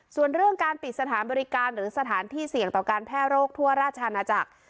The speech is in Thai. ส่วนเรื่องการปิดสถานบริการหรือสถานที่เสี่ยงต่อการแพร่โรคทั่วราชอาณาจักร